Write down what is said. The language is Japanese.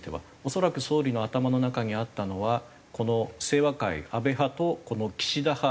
恐らく総理の頭の中にあったのはこの清和会安倍派とこの岸田派。